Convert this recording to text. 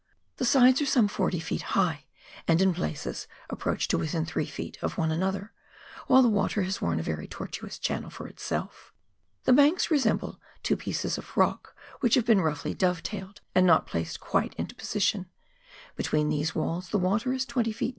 The sides are some 40 ft. high, and in places approach to within three feet of one another, while the water has worn a very tortuous channel for itself. The banks resemble two pieces of rock which have been roughly dovetailed and not placed quite into position ; between these walls the water is 20 ft.